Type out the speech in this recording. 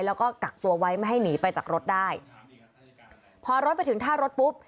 แล้วก็กักตัวไว้ไม่ให้หนีไปจากรถได้พอรถไปถึงท่ารถปุ๊บ